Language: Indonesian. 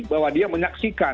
bahwa dia menyaksikan